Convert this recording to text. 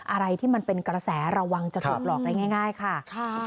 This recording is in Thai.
อะไรที่มันเป็นกระแสระวังจะถูกหลอกได้ง่ายค่ะ